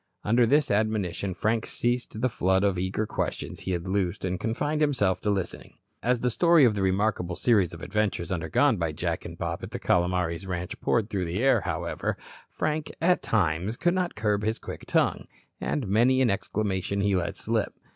Under this admonition Frank ceased the flood of eager questions he had loosed and confined himself to listening. As the story of the remarkable series of adventures undergone by Jack and Bob at the Calomares ranch poured through the air, however, Frank, at times, could not curb his quick tongue, and many an exclamation he let slip.